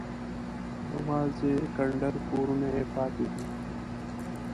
یوازې کنډر کورونه یې پاتې دي.